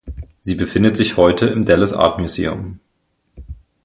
Sie befindet sich heute im Dallas Art Museum.